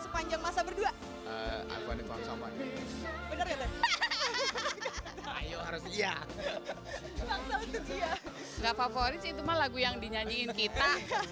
sepanjang masa berdua aku ada konsumen bener bener harus iya favorit lagu yang dinyanyiin kita